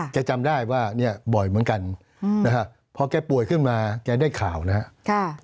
จำได้ว่าเนี่ยบ่อยเหมือนกันนะฮะพอแกป่วยขึ้นมาแกได้ข่าวนะครับ